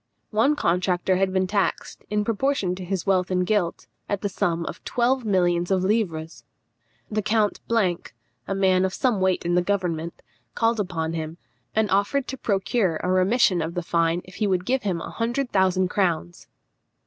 One contractor had been taxed, in proportion to his wealth and guilt, at the sum of twelve millions of livres. The Count , a man of some weight in the government, called upon him, and offered to procure a remission of the fine if he would give him a hundred thousand crowns.